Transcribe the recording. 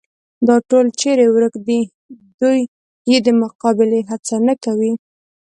دا ټول چېرې ورک دي، دوی یې د مقابلې هڅه نه کوي.